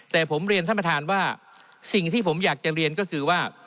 แต่ผมเรียนท่านประธานว่าสิ่งที่ผมอยากจะเรียนก็คือว่า